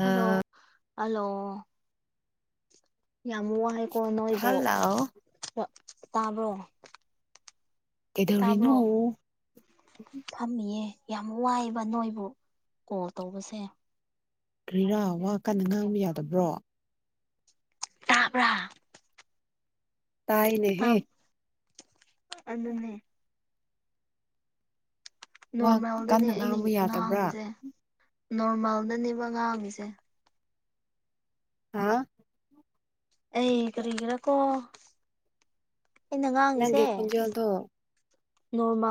hello hello ꯌꯥꯝ ꯋꯥꯏꯀꯣ ꯅꯣꯏꯕꯨ ꯍꯜꯂꯣ ꯇꯥꯕ꯭ꯔꯣ ꯀꯩꯗꯧꯔꯤꯅꯣ ꯇꯥꯕ꯭ꯔꯣ ꯐꯝꯃꯤꯌꯦ ꯌꯥꯝ ꯋꯥꯏꯕ ꯅꯣꯏꯕꯨ ꯀꯣꯜ ꯇꯧꯕꯁꯦ ꯀꯔꯤꯔꯥ ꯋꯥ ꯀꯟꯅ ꯉꯥꯡꯕ ꯌꯥꯗꯕ꯭ꯔꯣ ꯇꯕ꯭ꯔꯥ ꯇꯥꯏꯅꯦꯍꯦ ꯑꯗꯨꯗꯅꯅꯦ ꯋꯥ ꯅꯣꯔꯃꯦꯜꯗꯅꯦ ꯀꯟꯅ ꯑꯩꯅ ꯉꯥꯡꯕ ꯌꯥꯗꯕ꯭ꯔꯥ ꯉꯥꯡꯉꯤꯁꯦ ꯅꯣꯔꯃꯦꯜꯗꯅꯦꯕ ꯉꯥꯕꯤꯁꯦ ꯍꯥꯥ ꯑꯩ ꯀꯒꯔꯀꯣ ꯅꯪꯒꯤ ꯈꯣꯟꯖꯦꯜꯗꯣ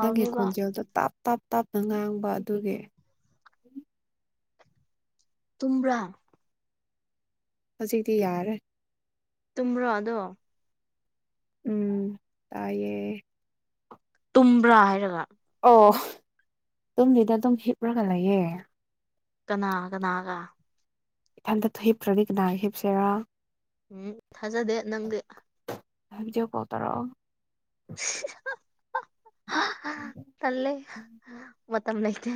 ꯅꯪꯒꯤ ꯈꯣꯟꯖꯦꯜꯗꯣ ꯇꯥꯞ ꯇꯞ ꯇꯞꯅ ꯉꯥꯡꯕ ꯑꯗꯨꯒꯤ ꯇꯨ꯭ꯔꯥ ꯍꯧꯖꯤꯛꯇꯤ ꯌꯥꯔꯦ ꯇꯃ꯭ꯔꯣ ꯑꯗꯣ ꯎꯝ ꯇꯥꯏꯌꯦ ꯇꯨꯝꯕ꯭ꯔꯥ ꯍꯥꯏꯔꯒ ꯑꯣ ꯑꯗꯨꯨꯝꯗꯨꯗ ꯑꯗꯨꯝ ꯍꯤꯞꯂꯒ ꯂꯩꯌꯦꯦ ꯀꯅꯥ ꯀꯅꯥꯒ ꯏꯊꯟꯇ ꯍꯤꯞꯇ꯭ꯔꯅꯤ ꯀꯗꯥ ꯍꯤꯞꯁꯦꯔꯥ ꯎꯝ ꯊꯥꯖꯗꯦ ꯅꯪꯗꯤ ꯑꯖ ꯄꯇꯥꯔꯣ [inaudible] ꯇꯂꯦ ꯃꯠꯇ ꯑꯃꯅꯗ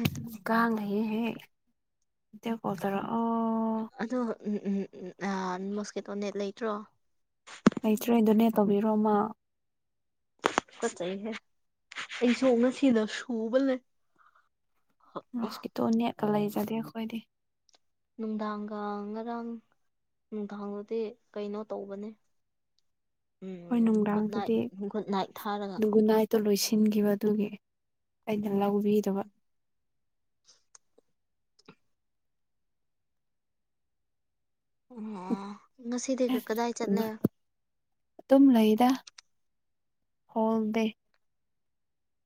ꯍ ꯍꯦ ꯏ ꯀꯊꯔ ꯑꯣ ꯑꯣ ꯎꯝ ꯎꯝ ꯎꯝ ꯃꯣꯁꯀꯦꯇꯣ ꯅꯦꯠ ꯂꯩꯇ꯭ꯔꯣ ꯇꯧꯕꯤꯔꯣꯃ ꯐꯠꯆꯩꯍꯦ ꯑꯩꯁꯨ ꯉꯁꯤꯗ ꯁꯨꯕꯅꯦ ꯔꯁꯀꯤꯇꯣ ꯅꯦꯛꯀ ꯂꯩꯖꯗꯦ ꯑꯩꯈꯣꯏꯗꯤ ꯅꯨꯡꯗꯥꯡꯒ ꯉꯔꯥꯡ ꯎꯝꯊꯥꯡꯂꯨꯗꯤ ꯀꯩꯅꯣ ꯇꯧꯕꯅꯦ ꯍꯣꯏ ꯎꯝ ꯒꯨꯗ ꯅꯥꯏꯠ ꯅꯨꯡꯗꯥꯡꯗꯗꯤ ꯒꯨꯗ ꯅꯥꯏꯠ ꯊꯥꯔꯒ ꯒꯨꯅꯥꯏꯗꯣ ꯂꯣꯏꯁꯤꯟꯈꯤꯕ ꯑꯗꯨꯒꯤ ꯑꯩꯅ ꯂꯧꯕꯤꯕ ꯑꯣ ꯉꯁꯤꯗꯤ ꯀꯗꯥꯏ ꯆꯠꯂꯦ ꯑꯗꯨꯝ ꯂꯩꯗ ꯍꯣꯜ ꯗꯦ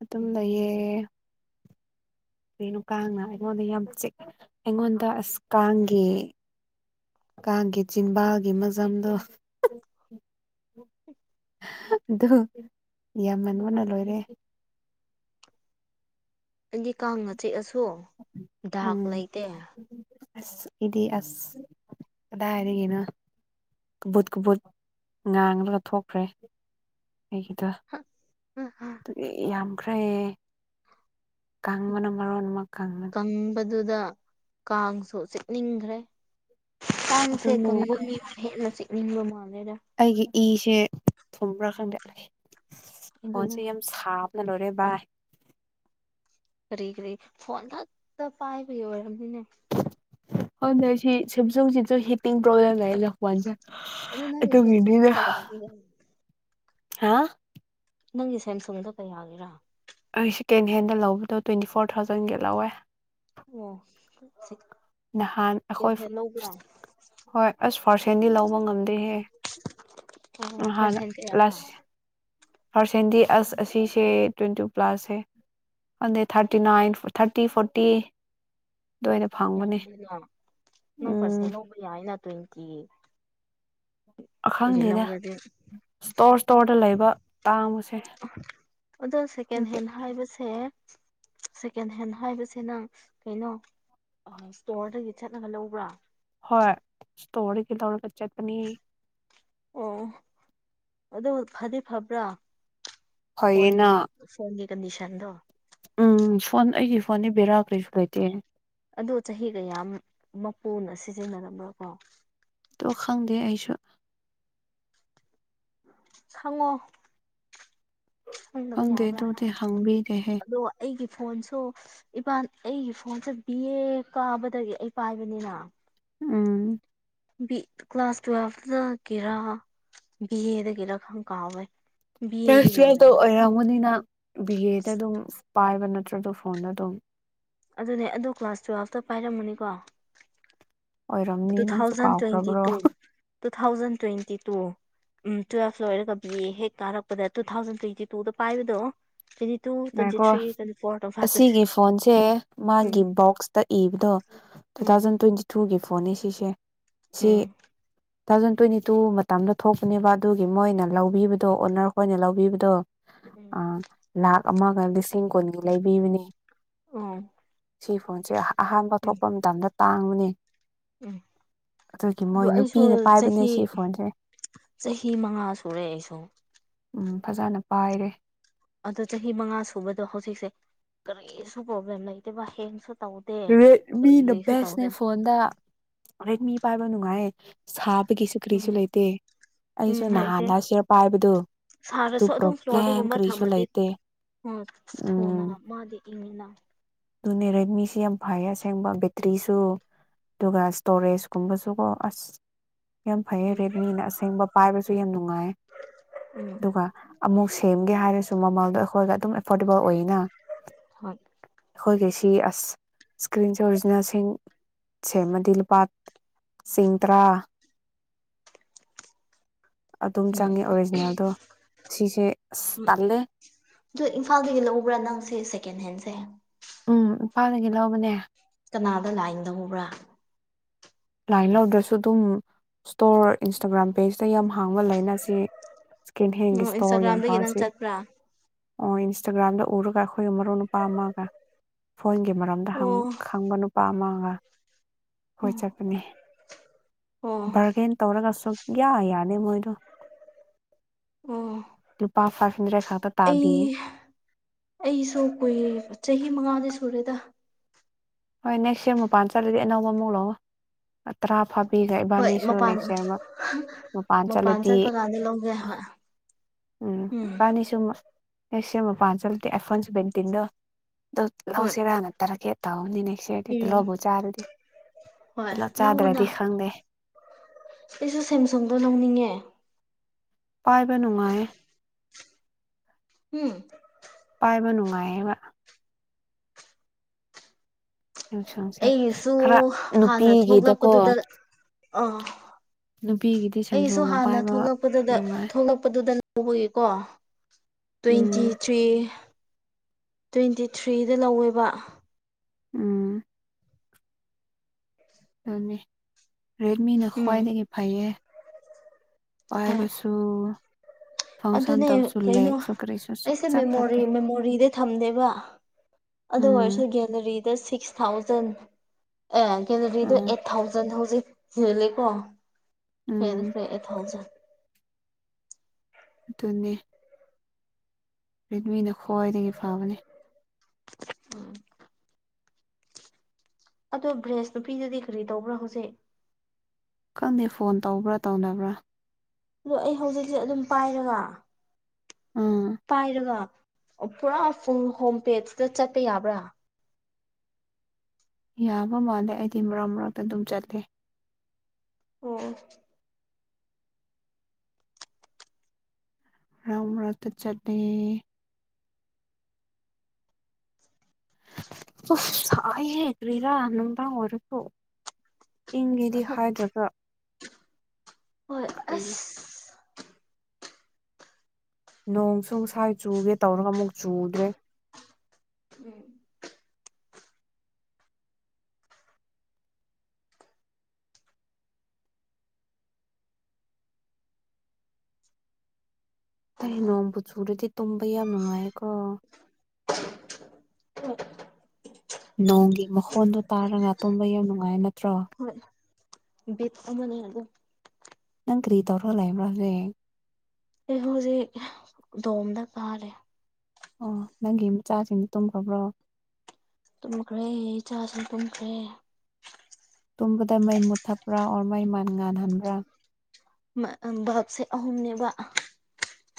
ꯑꯗꯨꯝ ꯂꯩꯌꯦ ꯀꯩꯅꯣ ꯀꯥꯡꯅ ꯑꯩꯉꯣꯟꯗ ꯌꯥꯝ ꯆꯤꯛ ꯑꯩꯉꯣꯟꯗ ꯑꯁ ꯀꯥꯡꯒꯤ ꯀꯥꯡꯒꯤ ꯆꯤꯡꯕꯥꯜꯒꯤ ꯃꯖꯝꯗꯣ ꯑꯗꯨ ꯌꯥꯝꯃꯟ ꯋꯥꯣꯟꯅ ꯂꯣꯏꯔꯦ ꯑꯩꯗꯤ ꯀꯥꯡꯅ ꯆꯤꯦꯛꯑꯁꯨ ꯗꯥꯛ ꯎꯝ ꯂꯩꯇꯦ ꯑꯁ ꯏꯗꯤ ꯑꯁ ꯀꯗꯥ ꯍꯥꯏꯔꯤꯒꯦꯅ ꯀꯨꯕꯨꯠ ꯀꯨꯕꯨꯠ ꯉꯥꯡꯂꯒ ꯊꯣꯛꯈ꯭ꯔꯦ ꯑꯩꯒꯤꯗ ꯑꯗꯨ ꯌꯥꯝꯈ꯭ꯔꯦ ꯀꯥꯡꯪꯕꯅ ꯃꯔꯣꯟ ꯑꯃ ꯀꯪꯕꯅꯤ ꯃꯗꯨꯗ ꯀꯥꯡꯁꯨ ꯆꯤꯛꯅꯤꯡꯈ꯭ꯔꯦ ꯇꯥꯡꯁꯦ ꯑꯗꯨꯅꯦ ꯀꯪꯒꯅꯤ ꯍꯅ ꯆꯠꯅꯤꯡꯕ ꯃꯥ ꯑꯩꯒꯤ ꯏꯁꯦ ꯊꯨꯝꯕ꯭ꯔꯥ ꯈꯥꯟꯗ ꯑꯗꯨꯅ ꯐꯣꯟꯁꯦ ꯌꯥꯝ ꯁꯥꯕ ꯅꯣꯔꯦ ꯕꯥꯏ ꯀꯔꯤ ꯀꯔꯤ ꯐꯣꯟ ꯈꯛꯇ ꯄꯥꯏꯕꯒꯤ ꯑꯣꯏꯔꯕꯝꯅꯤꯅꯦ ꯍ ꯁꯤ ꯁꯤꯞꯖꯨꯡꯁꯤꯁꯨ ꯍꯤꯇꯤꯡ ꯄꯣꯂꯦꯝ ꯍꯥꯏ ꯖ ꯑꯗꯣ ꯑꯩ ꯅꯪꯒꯤ ꯇ ꯁꯦꯝꯁꯨꯡꯗꯣ ꯃꯤꯗꯤꯗ ꯀꯌꯥꯒꯤꯔ ꯍꯥ ꯅꯪꯒꯤ ꯁꯦꯝꯁꯨꯡꯗ ꯀꯌꯥꯒꯦꯔꯥ ꯁꯀꯦꯟ ꯍꯦꯟꯗ ꯂꯧꯕꯗꯣ ꯇ꯭ꯋꯦꯟꯇꯤ ꯐꯣꯔ ꯊꯥꯎꯖꯟꯒꯤ ꯂꯧꯋꯦ ꯑꯣ ꯁꯤ ꯅꯍꯥꯟ ꯑꯩꯈꯣꯏ ꯍꯣꯏ ꯑꯁ ꯄꯥꯔꯁꯦꯟꯗꯤ ꯂꯧꯕ ꯉꯝꯗꯦꯍꯦ ꯑꯣ ꯐꯔꯁꯦꯟꯇꯦꯔ ꯍꯔꯁꯦꯟꯗꯤ ꯑꯁ ꯑꯁꯤꯁꯦ ꯇ꯭ꯋꯦꯟꯇꯤ ꯇꯨ ꯄ꯭ꯂꯥꯁꯦ ꯑꯗ ꯊꯥꯔꯇꯤ ꯅꯥꯏꯟ ꯊꯥꯔꯇꯤ ꯐꯣꯔꯣꯔꯇꯤ ꯌꯥꯝꯗꯅ ꯅꯣꯡ ꯐꯔꯁ ꯎꯝ ꯍ ꯂꯧꯕ ꯌꯥꯏꯅ ꯇ꯭ꯋꯦꯟꯀꯤꯤ ꯑꯈꯪꯗꯩꯗ ꯏꯁꯇꯣꯔ ꯏꯁꯇꯣꯔꯗ ꯂꯩꯕ ꯇꯥꯡꯕꯁ ꯑꯗꯣ ꯁꯦꯀꯦꯟ ꯍꯦꯟ ꯍꯥꯏꯕꯁꯦ ꯁꯦꯀꯦꯟ ꯍꯦꯟ ꯍꯥꯏꯕꯁ ꯅꯪ ꯀꯩꯅꯣ ꯏꯁꯇꯣꯔꯗꯒꯤ ꯆꯠꯂꯒ ꯂꯧꯕ꯭ꯔꯥ ꯍꯣꯏ ꯇꯒꯤ ꯊꯧ ꯀꯆ ꯄꯅꯤ ꯑꯣ ꯑꯗꯨ ꯐꯗꯤ ꯐꯕ꯭ꯔꯥ ꯐꯩꯌꯦꯅ ꯐꯣꯟꯒꯤ ꯐꯣꯟꯒꯤ ꯀꯟꯗꯤꯁꯟꯗꯣ ꯎꯝ ꯐꯣꯟ ꯑꯩꯒꯤ ꯐꯣꯟꯗꯤ ꯕꯦꯔꯥ ꯀꯔꯤꯁꯨ ꯂꯩꯇꯦ ꯑꯗꯣ ꯆꯍꯤ ꯀꯌꯥꯝ ꯃꯄꯨꯅ ꯁꯤꯖꯤꯟꯅꯔꯝꯕ꯭ꯔꯥ ꯀꯣ ꯇꯣ ꯈꯪꯗꯦ ꯑꯩꯁꯨ ꯈꯉꯣ ꯈꯪꯗꯕ ꯈꯪꯗꯦ ꯌꯥꯕ꯭ꯔꯥ ꯑꯗꯨꯗꯤ ꯍꯪꯕꯤꯗꯦꯍꯦ ꯑꯗꯣ ꯑꯩꯒꯤ ꯐꯣꯟꯁꯨ ꯏꯕꯥ ꯑꯩꯒꯤ ꯐꯣꯟꯁꯦ ꯕꯤꯦ ꯀꯥꯕꯗꯒꯤ ꯑꯩ ꯄꯥꯏꯕꯅꯤꯅ ꯎꯝ ꯀ꯭ꯂꯥꯁ ꯇꯨꯋꯦꯜꯐꯇꯒꯤꯔꯥ ꯕꯤ ꯑꯦꯗꯒꯤꯔꯥ ꯈꯪ ꯀꯥꯎꯋꯦ ꯕꯤ ꯇ ꯑꯦꯗꯒꯤ ꯇꯨꯋꯦꯜꯇ ꯑꯣꯏꯔꯝꯒꯅꯤ ꯑꯣꯏꯔꯝꯃꯅꯤꯅ ꯕꯤ ꯑꯦꯗ ꯑꯗꯨꯝ ꯄꯥꯏꯕ ꯅꯠꯇ꯭ꯔꯗ ꯐꯣꯟꯗ ꯑꯗꯨꯝ ꯑꯗꯨꯅꯦ ꯑꯗꯨ ꯀ꯭ꯂꯥꯁ ꯇꯨꯋꯦꯜꯐꯇ ꯄꯥꯏꯔꯝꯃꯅꯤꯀꯣ ꯑꯣꯏꯔꯝꯅꯤ ꯇꯨ ꯅꯪꯁꯨ ꯊꯥꯎꯖꯟ ꯇ꯭ꯋꯦꯟꯇꯤ ꯀꯥꯎꯈ꯭ꯔꯕ꯭ꯔꯣ two two thousand twenty two ꯎꯝ ꯇꯨꯋꯦꯜꯞ ꯂꯣꯏꯔꯒ ꯕꯤ ꯍꯦꯛ ꯀꯥꯔꯛꯄꯗ ꯇꯨ ꯊꯥꯎꯖꯟ ꯇ꯭ꯋꯦꯟꯇꯤ ꯇꯨꯗ ꯄꯥꯏꯕꯗꯣ ꯇ꯭ꯋꯦꯟꯇꯤ ꯇꯨ ꯇ꯭ꯋꯦꯟꯤ ꯉꯥꯏꯈꯣ ꯊ꯭ twenty four twenty five twenty ꯑꯁꯤꯒꯤ ꯁꯤꯛꯁ ꯐꯣꯟꯁꯦ ꯎꯝ ꯃꯥꯒꯤ ꯕꯣꯛꯁꯇ ꯏꯕꯗꯣ ꯇꯨ ꯎꯝ ꯊꯥꯎꯖꯟ ꯇ꯭ꯋꯦꯟꯇꯤ ꯇꯨꯒꯤ ꯐꯣꯟ ꯐꯣꯅꯤ ꯁꯤꯁꯦ ꯁꯤ ꯎꯝ ꯇꯨ ꯊꯥꯎꯖꯟ ꯇ꯭ꯋꯦꯟꯇꯤ ꯇꯨ ꯃꯇꯝꯗ ꯊꯣꯛꯄꯅꯦꯕ ꯑꯗꯨꯒꯤ ꯃꯣꯏꯅ ꯂꯧꯕꯤꯕꯗꯣ ꯑꯣꯅꯔꯈꯣꯏꯅ ꯂꯧꯕꯤꯕꯗꯣ ꯎꯝ ꯑ ꯂꯈ ꯑꯃꯒ ꯂꯤꯁꯤꯡ ꯀꯨꯟꯒꯤ ꯂꯩꯕꯤꯕꯅꯤ ꯑꯣ ꯁꯤ ꯐꯣꯟꯁꯦ ꯑꯍꯥꯟꯕ ꯎꯝ ꯊꯣꯛꯄ ꯃꯇꯝꯗ ꯇꯥꯡꯕꯨꯅꯦ ꯎꯝ ꯑꯗꯨ ꯑꯩꯁꯨ ꯅꯨꯄꯤꯅ ꯄꯥꯏꯕꯅꯦ ꯆꯍꯤ ꯁꯤ ꯐꯣꯟꯁꯦ ꯆꯍꯤ ꯃꯉꯥ ꯁꯨꯔꯦ ꯑꯩꯁꯨ ꯎꯝ ꯐꯖꯅ ꯄꯥꯏꯔꯦ ꯑꯗꯣ ꯆꯍꯤ ꯃꯉꯥ ꯁꯨꯕꯗꯣ ꯍꯧꯖꯤꯛꯁꯦ ꯀꯔꯤꯁꯨ ꯄ꯭ꯔꯣꯕ꯭ꯂꯦꯝ ꯂꯩꯇꯦꯕ ꯍꯦꯡꯁꯨ ꯇꯧꯗꯦ ꯔꯦꯗꯃꯤꯅ ꯀꯔꯤꯁꯨ ꯕꯦꯁꯅꯦ ꯇꯧꯗꯦ ꯐꯣꯟꯗ ꯔꯦꯗꯃꯤ ꯄꯥꯏꯕ ꯅꯨꯡꯉꯥꯏ ꯁꯥꯕ ꯒꯤꯁꯨ ꯀꯔꯤꯁꯨ ꯎꯝ ꯂꯩꯇꯦ ꯎꯝ ꯑꯩꯁꯨ ꯂꯩꯇꯦ ꯅꯍꯥꯟꯗ ꯁꯤꯌꯔ ꯄꯥꯏꯕꯗꯨ ꯑꯗꯨ ꯁꯥꯔꯁꯨ ꯄ꯭ꯔꯣꯕ꯭ꯂꯦꯝ ꯀꯔꯤꯁꯨ ꯂꯩꯇꯦ ꯑ ꯊꯨꯅ ꯎꯝ ꯃꯥꯗꯤ ꯏꯉꯅ ꯑꯗꯨꯅꯦ ꯔꯦꯗꯃꯤꯁꯤ ꯌꯥꯝ ꯐꯩꯌꯦ ꯑꯁꯦꯡꯕ ꯕꯦꯇ꯭ꯔꯤꯁꯨ ꯑꯗꯨꯒ ꯏꯁꯇꯣꯔꯦꯖ ꯀꯨꯝꯕꯁꯨꯀꯣ ꯑꯁ ꯌꯥꯝ ꯐꯩꯌꯦ ꯎꯝ ꯔꯦꯗꯃꯤꯅ ꯑꯁꯦꯡꯕ ꯄꯥꯏꯕꯁꯨ ꯌꯥꯝ ꯅꯨꯡꯉꯥꯏ ꯎꯝ ꯑꯗꯨꯒ ꯑꯃꯨꯛ ꯁꯦꯝꯒꯦ ꯍꯥꯏꯔꯁꯨ ꯃꯃꯥꯡꯗꯣ ꯑꯩꯈꯣꯏꯒ ꯑꯗꯨꯝ ꯑꯦꯐꯣꯔꯗꯦꯕꯜ ꯑꯣꯏꯅꯤ ꯍꯣꯏ ꯑꯩꯈꯣꯏꯒꯤꯁꯤ ꯑꯁ ꯏꯁꯀ꯭ꯔꯤꯟꯁꯦ ꯑꯣꯔꯤꯖꯤꯅꯦꯜꯁꯤꯡ ꯆ ꯃꯗꯤꯜ ꯄꯠ ꯁꯤꯁꯤꯡ ꯇ꯭ꯔꯥ [inaudible] [unintelligible] ꯑꯗꯨꯝ ꯎꯝ ꯆꯪꯉꯦ ꯑꯣꯔꯤꯖꯤꯅꯦꯜꯗꯣ ꯁꯤꯁꯦ ꯑꯁ ꯎꯝ ꯇꯜꯂꯦ ꯑꯗꯨ ꯏꯝꯐꯥꯜꯗꯒꯤ ꯂꯧꯕ꯭ꯔꯥ ꯅꯪꯁꯦ ꯁꯦꯀꯦꯟ ꯍꯦꯟꯁꯦ ꯅꯨꯄꯥꯗꯒꯤ ꯂꯧꯕꯅꯦ ꯀꯅꯥꯗ ꯂꯥꯛꯟꯗꯧꯧꯕ꯭ꯔꯥ ꯂꯥꯏꯟ ꯂꯗ꯭ꯔꯁꯨꯣ ꯑꯗꯨꯝ ꯏꯁꯇꯣꯔ ꯏꯟꯁꯇꯥꯒ꯭ꯔꯥꯝ ꯄꯦꯖꯇ ꯌꯥꯝ ꯍꯥꯡꯕ ꯂꯩꯅ ꯁꯤ ꯀꯦꯟꯍꯦꯟꯒꯤ ꯑꯣ ꯏꯁ꯭ꯇꯣꯔ ꯌꯥꯝ ꯏꯟꯁꯇꯥꯒ꯭ꯔꯥꯝꯗꯒꯤ ꯅꯪ ꯄꯥꯖꯩ ꯆꯠꯄ꯭ꯔꯥ ꯑꯣ ꯏꯟꯁꯇꯥꯒ꯭ꯔꯥꯝꯗ ꯎꯔꯒ ꯑꯩꯈꯣꯏ ꯃꯔꯨꯞ ꯅꯨꯨꯄꯥ ꯑꯃꯒ ꯐꯣꯏꯣꯟꯒꯤ ꯃꯔꯝꯗ ꯑꯣ ꯈꯪꯕ ꯅꯨꯄꯥ ꯑꯃꯒ ꯑꯩꯣꯏ ꯆꯠꯄꯅꯤ ꯑꯣ ꯕꯥꯔꯒꯦꯟ ꯇꯧꯔꯒ ꯁꯨꯛꯌꯥ ꯌꯥꯅꯤ ꯃꯣꯏꯗꯣ ꯑꯣ ꯑꯗꯨ ꯄꯥꯄꯥ ꯑꯩ ꯑꯩꯁꯨ ꯀꯨꯏ ꯆꯍꯤ ꯃꯉꯥꯗꯤ ꯁꯨꯔꯦꯗ ꯍꯣꯏ ꯅꯦꯛꯁ ꯌꯔ ꯃꯄꯥꯟ ꯆꯠꯂꯗꯤ ꯑꯅꯧꯕ ꯑꯃꯨꯛ ꯂꯧꯉ ꯇꯔꯥ ꯐꯥ ꯄꯤꯈ ꯍꯣꯏ ꯏꯕꯥꯅꯤꯁꯨ ꯃꯄꯥꯟ ꯅꯦꯛꯁ ꯏꯌꯥꯔ ꯑꯃ ꯃꯄꯥꯟ ꯆꯠꯂꯗꯤ ꯆꯠꯄ ꯀꯥꯟꯗ ꯂꯧꯒꯦ ꯍꯣꯏ ꯎꯝ ꯀꯅꯤ ꯁꯨꯝꯃ ꯑꯦꯁ ꯃ ꯄꯥꯟꯁꯜ ꯑꯦꯐꯣꯟꯁ ꯦꯟ ꯇꯤꯟꯗꯣ ꯍꯣꯏ ꯂꯧꯥꯎꯁꯤꯦꯔꯥ ꯅꯅ ꯇꯔ ꯀꯦ ꯇꯕꯅꯤꯅꯦ ꯄꯛꯁꯔꯗꯤ ꯎꯝ ꯄꯨꯂꯞꯕꯨ ꯆꯥꯔꯨꯗꯤ ꯍꯣꯏ ꯄꯨꯂꯞ ꯆꯥꯗ꯭ꯔꯗꯤ ꯈꯪꯗꯦ ꯑꯩꯁꯦ ꯁꯦꯝꯁꯪꯗꯣ ꯅ ꯂꯧꯅꯤꯡꯉꯦ ꯄꯥꯏꯕ ꯅꯨꯡꯉꯥꯏ ꯎꯝ ꯕ ꯅꯨꯡꯉꯥꯏꯕ ꯁꯦꯝꯁꯨꯡꯁꯦ ꯑꯩꯁꯨ ꯈꯔ ꯍꯥꯟꯅ ꯅꯨꯄꯤꯒꯤꯗꯀꯣ ꯊꯣꯛꯂꯛꯄꯗꯨꯗ ꯑꯥ ꯅꯨꯄꯤꯒꯤꯗꯤ ꯑꯩꯁꯨ ꯁꯦꯝꯁꯨꯡꯒ ꯍꯥꯟꯅ ꯄꯥꯏꯕ ꯊꯣꯛꯂꯛꯄꯗꯨꯗ ꯅꯨꯡꯉꯥꯏ ꯊꯣꯛꯂꯛꯄꯗꯨꯗ ꯇꯧꯕꯒꯤꯀꯣ ꯇ꯭ꯋꯦꯟꯇꯤ ꯎꯝ ꯊ꯭ꯔꯤ ꯇ꯭ꯋꯦꯟꯇꯤ ꯊ꯭ꯔꯤꯗ ꯂꯧꯋꯦꯕ ꯎꯝ ꯑꯗꯨꯅꯤ ꯔꯦꯗꯃꯤꯅ ꯎꯝ ꯈ꯭ꯋꯥꯏꯗꯒꯤ ꯐꯩꯌꯦ ꯍꯣꯏ ꯄꯥꯏꯕꯁꯨ ꯐꯪꯁꯟ ꯑꯗꯨꯅꯦ ꯇꯧꯕꯁꯨ ꯀꯩꯅꯣ ꯂꯦꯛꯁꯨ ꯀꯔꯤꯁꯨ ꯑꯩꯁꯦ ꯁꯨꯡꯆꯠ ꯃꯦꯃꯣꯔꯤ ꯆꯠꯇꯦ ꯃꯦꯃꯣꯔꯤꯗ ꯊꯝꯗꯦꯕ ꯑꯗꯨ ꯎꯝ ꯑꯣꯏꯔꯁꯨ ꯒꯦꯂꯔꯤꯗ ꯁꯤꯛꯁ ꯊꯥꯎꯖꯟ ꯑꯦ ꯀꯦꯂꯣꯔꯤꯗꯣ ꯑꯥ ꯑꯩꯠ ꯊꯥꯎꯖꯟ ꯍꯧꯖꯤꯛ ꯍꯦꯜꯂꯦꯀꯣ ꯍ ꯎꯝ ꯐ ꯊꯥꯎꯖꯟ ꯑꯗꯨꯅꯦ ꯔꯦꯗꯃꯤꯅ ꯈ꯭ꯋꯥꯏꯗꯒꯤ ꯐꯥꯕꯅꯤ ꯎꯝ ꯑꯣ ꯕ꯭ꯔꯦꯁ ꯅꯨꯄꯤꯗꯨꯗꯤ ꯀꯔꯤ ꯇꯧꯕ꯭ꯔꯥ ꯍꯧꯖꯤꯛ ꯈꯪꯗꯦ ꯐꯣꯟ ꯇꯧꯕ꯭ꯔꯥ ꯇꯧꯅꯕ꯭ꯔꯥ ꯑꯗꯣ ꯑꯩ ꯍꯧꯖꯤꯛꯁꯦ ꯑꯗꯨꯝ ꯄꯥꯏꯔꯒ ꯎꯝ ꯄꯥꯏꯔꯒ ꯑꯣ ꯄꯨꯔꯥ ꯐꯨꯡ ꯍꯣꯝꯄꯦꯁꯤꯗ ꯆꯠꯄ ꯌꯥꯕ꯭ꯔꯥ ꯌꯥꯕ ꯃꯥꯜꯂꯦ ꯑꯩꯗꯤ ꯃꯔꯛ ꯃꯔꯛꯇ ꯑꯗꯨꯝ ꯆꯠꯂꯦ ꯑꯣ ꯔꯝ ꯔꯊ ꯆꯠ ꯑꯣꯥꯏꯦ ꯀ꯭ꯔꯥ ꯑꯅꯝꯗꯥ ꯑꯣꯏꯔ ꯄꯣ ꯏꯪꯉꯦꯗꯤ ꯍꯥꯏꯗ꯭ꯔꯒ ꯍꯣꯏ ꯀꯔꯤꯅꯣ ꯑꯁ ꯅꯣꯡꯁꯨ ꯁꯥꯏ ꯆꯨꯒꯦ ꯇꯧꯔꯒ ꯑꯃꯨꯛ ꯆꯨꯗ꯭ꯔꯦ ꯎꯝ ꯑꯩ ꯅꯣꯡꯕꯨ ꯆꯨꯔꯗꯤ ꯇꯨꯝꯕ ꯌꯥꯝ ꯅꯨꯡꯉꯥꯏꯀꯣ ꯅꯣꯡꯒꯤ ꯃꯈꯣꯟꯗꯨ ꯇꯥꯔꯒ ꯇꯨꯝꯕ ꯌꯥꯝ ꯅꯨꯡꯉꯥꯏ ꯅꯠꯇ꯭ꯔꯣ ꯕꯦꯠꯇ ꯑꯃꯅꯤ ꯑꯗꯣ ꯅꯪ ꯀ꯭ꯔꯤꯗꯧꯔꯜ ꯂꯩꯕ꯭ꯔꯣꯁꯦ ꯑꯦꯍꯣꯖꯤꯦ ꯗꯣꯝꯗ ꯀꯥꯔꯦ ꯑꯣ ꯅꯪꯒꯤ ꯃꯆꯥꯁꯤꯡꯅ ꯇꯨꯝꯈꯕ꯭ꯔꯣ ꯇꯨꯝꯈ꯭ꯔꯦ ꯏꯆꯥꯁꯨ ꯇꯨꯝꯈ꯭ꯔꯦ ꯇꯨꯝꯕꯗ ꯃꯩ ꯃꯨꯠꯊꯄ꯭ꯔꯥ ꯑꯣꯔ ꯃꯩ ꯃꯥꯟ ꯉꯜꯍꯟꯕ꯭ꯔꯥ ꯚꯥꯞꯁꯦ ꯑꯍꯨꯝꯅꯦꯕ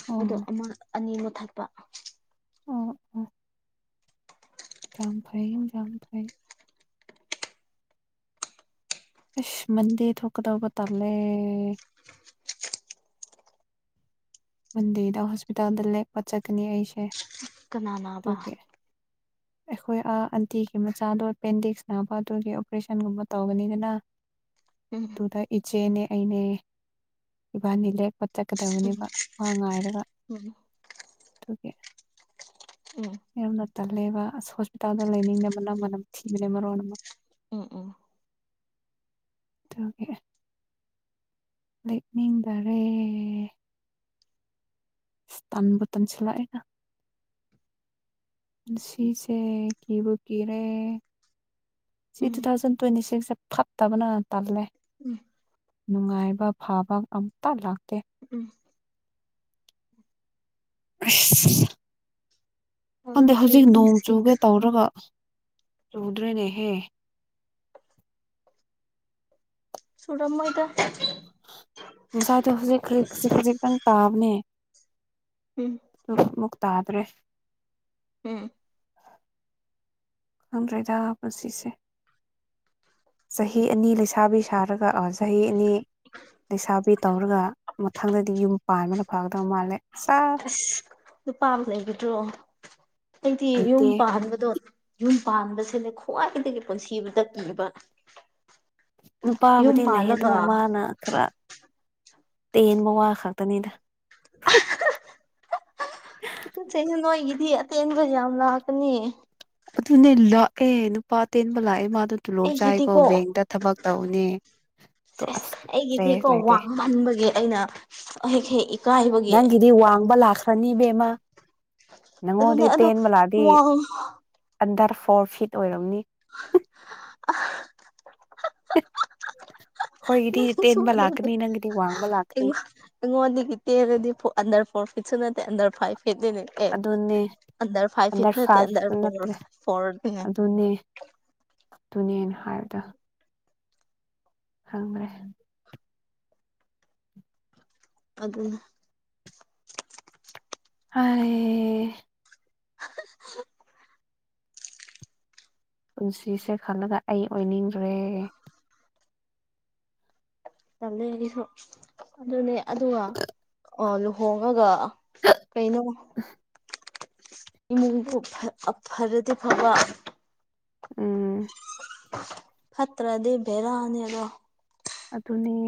ꯑꯣ ꯑꯗꯣ ꯑꯃ ꯑꯅꯤ ꯃꯨ ꯊꯛꯄ ꯎ ꯎꯥ ꯌꯥꯝꯝ ꯐꯩ ꯔꯝ ꯐꯩ ꯑ ꯃꯟꯗꯤ ꯊꯣꯛꯀꯗꯧꯕ ꯇꯂꯦ ꯃꯟꯗꯤꯔꯗ ꯍꯣꯁꯄꯤꯇꯥꯜꯗ ꯂꯦꯛꯄ ꯆꯠꯀꯅꯤ ꯑꯩꯁꯦ ꯀꯅꯥꯃꯕ ꯑꯗꯨꯒꯤ ꯑꯩꯈꯣꯏ ꯑꯥ ꯑꯟꯇꯤꯒꯤ ꯃꯆꯥꯗꯣ ꯑꯦꯄꯦꯟꯗꯤꯛꯁ ꯅꯥꯕ ꯑꯗꯨꯒꯤ ꯑꯣꯄꯔꯦꯁꯟꯒꯨꯝꯕ ꯇꯧꯒꯅꯤꯗꯅ ꯎꯝ ꯑꯗꯨꯗ ꯏꯆꯦꯅꯦ ꯑꯩꯅꯦ ꯏꯕꯥꯅꯤ ꯂꯦꯛꯄ ꯆꯠꯀꯗꯕꯅꯦꯕ ꯎꯝ ꯋꯥ ꯉꯥꯏꯔꯒ ꯑꯗꯨꯀꯦ ꯎꯝ ꯌꯥꯝꯨꯝꯅ ꯇꯜꯂꯦꯕ ꯑꯁ ꯍꯣꯁꯄꯤꯇꯥꯜꯗ ꯂꯩꯅꯤꯡꯅꯕ ꯅꯪꯅꯝ ꯊꯤꯕꯅꯦ ꯃꯔꯣꯟ ꯑꯃ ꯎꯝ ꯎꯝ ꯑꯗꯨ ꯂꯅꯤꯡꯗꯔꯦ ꯏꯁꯇꯥꯟꯕꯣꯇꯣꯟ ꯆꯂꯥꯏꯅ ꯁꯤꯁꯦ ꯀꯤꯕꯨꯨ ꯀꯔꯦ ꯁꯤ ꯇꯨ ꯎꯝ ꯊꯥꯎꯖꯟ ꯇ꯭ꯋꯦꯟꯇꯤ ꯁꯤꯛꯁꯁꯦ ꯐꯠꯇꯕꯅ ꯇꯜꯂꯦ ꯎꯝ ꯅꯨꯡꯉꯥꯏꯕ ꯐꯕ ꯑꯝꯇ ꯂꯥꯛ ꯎꯝ ꯑ ꯊꯥꯎꯖꯟ ꯈꯪꯗꯦ ꯍꯧꯖꯤꯛ ꯇ꯭ꯋꯦꯟꯇꯤ ꯅꯣꯡ ꯆꯨꯒꯦ ꯁꯤꯛꯁ ꯇꯧꯔꯒ ꯆꯨꯗ꯭ꯔꯦꯅꯦꯍꯦ ꯁꯨꯔꯝꯃꯗ ꯉꯁꯥꯏꯗꯣ ꯍꯧꯖꯤꯛ ꯈꯖꯤꯛ ꯈꯖꯤꯛ ꯈꯖꯤꯛꯇꯪ ꯇꯥꯕꯅꯦ ꯎꯝ ꯃꯇꯥꯥꯗꯔꯦ ꯎꯝ ꯈꯪꯗ꯭ꯔꯦꯗ ꯄꯨꯁꯤꯁꯦ ꯆꯍꯤ ꯑꯅꯤ ꯂꯩꯁꯥꯕꯤ ꯁꯥꯔꯒ ꯆꯍꯤ ꯑꯅꯤ ꯂꯩꯁꯥꯕꯤ ꯇꯧꯔꯒ ꯃꯊꯪꯗꯗꯤ ꯌꯨꯝ ꯄꯥꯟꯕꯅ ꯐꯒꯗꯕ ꯃꯥꯜꯂꯦ ꯁꯥ ꯑꯁ ꯅꯨꯄꯥꯕ ꯂꯩꯒꯗ꯭ꯔꯣ ꯑꯩꯗꯤ ꯌꯨꯝ ꯂꯩꯇꯦ ꯄꯥꯍꯟꯕꯗꯣ ꯌꯨꯝ ꯄꯥꯟꯕꯁꯤꯅ ꯈ꯭ꯋꯥꯏꯗꯒꯤ ꯄꯨꯟꯁꯤꯕꯗ ꯀꯤꯕ ꯌꯨꯝ ꯅꯨꯄꯥꯕꯨꯗꯤ ꯂꯩ ꯑꯗꯨ ꯄꯥꯜꯂꯒ ꯃꯥꯅ ꯈꯔ ꯇꯦꯟꯕ ꯋꯥ ꯈꯛꯇꯅꯤꯗ ꯄꯤ ꯆꯩꯁꯨ ꯅꯣꯏꯒꯤꯗꯤ ꯑꯇꯦꯟꯕ ꯌꯥꯝ ꯂꯥꯛꯀꯅꯤ ꯑꯗꯨꯅꯦ ꯂꯥꯛꯑꯦ ꯅꯨꯄꯥ ꯇꯦꯟꯕ ꯂꯥꯛꯑꯦ ꯃꯥꯗꯣ ꯇꯨꯂꯣꯞ ꯆꯥꯏꯀꯣ ꯕꯦꯡꯇ ꯊꯕꯛ ꯇꯧꯅꯦ ꯁ ꯑꯗꯣ ꯑꯁ ꯑꯩꯒꯤꯗꯤꯀꯣ ꯏꯟꯇ꯭ꯔꯦꯁ ꯂꯩꯇꯦ ꯋꯥꯃꯟꯕꯒꯤ ꯑꯩꯅ ꯑꯍ ꯍꯦ ꯏꯀꯑꯕꯒ ꯐꯅꯤꯕꯦꯝꯃ ꯅꯪꯉꯣꯟꯗꯤ ꯑꯗꯨꯅꯦ ꯑꯗꯣ ꯇꯦꯟꯕꯂꯥꯗꯤ ꯋꯥꯡ ꯑꯟꯗꯔ ꯐꯣꯔ ꯐꯤꯠ ꯑꯣꯏꯔꯝꯅꯤ ꯑ [inaudible] ꯅꯪꯁꯨ ꯇꯦꯟꯕ ꯑꯗꯨꯉ ꯂꯥꯛꯀꯅꯤ ꯅꯪꯒꯤꯗꯤ ꯋꯥꯡꯕ ꯂꯥꯛꯀꯅꯤ ꯑꯩꯉꯣꯟꯗꯒꯤꯇꯦꯔꯗꯤ ꯑꯟꯗꯔ ꯐꯣꯔ ꯏꯁꯨ ꯅꯠꯇ ꯑꯟꯗ ꯐꯥꯏꯚ ꯐꯤꯠꯅꯤꯅꯦ ꯑꯦ ꯑꯗꯨꯟꯅꯅꯦ ꯐꯥꯏꯚ ꯐꯤꯠ ꯑꯟꯗꯔ ꯅꯠꯇꯦ ꯑꯟꯗꯔ ꯐꯥꯏꯚꯁꯨ ꯐꯣꯔ ꯅꯠꯇ꯭ꯔꯦ ꯐꯣꯔꯅꯦ ꯑꯗꯨꯅꯦ ꯑꯗꯨꯅꯦꯅ ꯍꯥꯏꯕꯗ ꯍ꯭ꯔꯦ ꯑꯗ ꯑ ꯄꯨꯟꯁꯤꯁꯦ ꯈꯜꯂꯒ ꯑꯩ ꯑꯣꯏꯅꯤꯡꯗ꯭ꯔꯦ ꯇꯂꯒꯤꯁꯨ ꯑꯗꯨꯅꯦ ꯑꯗꯨꯒ ꯂꯨꯍꯣꯡꯉꯒ ꯀꯩꯅꯩꯅ ꯏꯃꯨꯡꯕꯨ ꯐꯔꯗꯤ ꯐꯕ ꯎꯝ ꯐꯠꯇ꯭ꯔꯗꯤꯕꯦꯔꯥꯅꯦꯕ ꯑꯗꯨꯅꯤ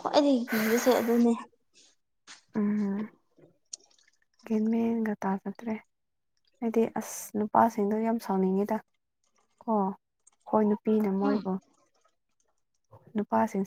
ꯍꯣꯏ ꯑꯩꯗꯤ ꯀꯤꯕꯁꯦ ꯑꯗꯨꯅꯦ ꯎꯝꯝ ꯃꯤꯒ ꯇꯥꯁꯗ꯭ꯔꯦ ꯍꯥꯏꯗꯤ ꯑꯁ ꯅꯨꯄꯥꯁꯤꯡꯗꯣ ꯌꯥꯝ ꯁꯥꯎꯅꯤꯡꯉꯤꯗ ꯀꯣ ꯍꯣꯏ ꯅꯨꯄꯤꯅ ꯎꯝ ꯃꯣꯏꯕꯨ ꯅꯨꯄꯥꯁꯤꯡ